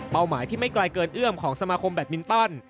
หมายที่ไม่ไกลเกินเอื้อมของสมาคมแบตมินตัน